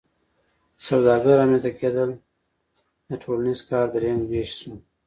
د سوداګر رامنځته کیدل د ټولنیز کار دریم ویش شو.